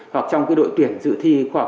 hoặc trong đội tuyển dự thi khoa học